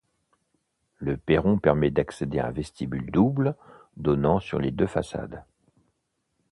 Le perron permet d'accéder à un vestibule double donnant sur les deux façades.